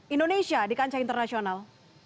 indonesia di kancah internasional